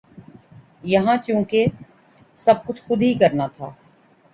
یہاں چونکہ سب کچھ خود ہی کرنا تھا